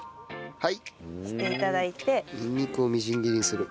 はい。